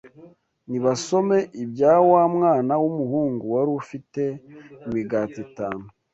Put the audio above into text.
Nibasome ibya wa mwana w’umuhungu wari ufite imigati itanu